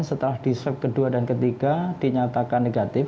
setelah di swab kedua dan ketiga dinyatakan negatif